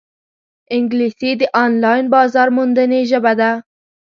انګلیسي د آنلاین بازارموندنې ژبه ده